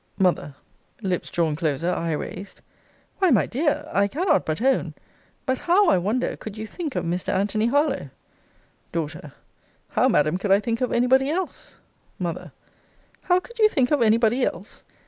M. [Lips drawn closer: eye raised] Why, my dear! I cannot but own But how, I wonder, could you think of Mr. Anthony Harlowe? D. How, Madam, could I think of any body else? M. How could you think of any body else?